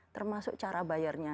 termasuk cara bayarnya